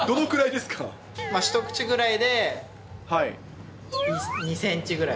１口ぐらいで２センチぐらい。